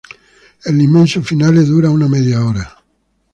El inmenso Finale dura una media hora.